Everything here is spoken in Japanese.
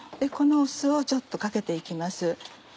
この酢をちょっとかけて行きます。